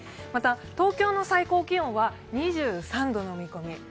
東京の最高気温は２３度の見込み。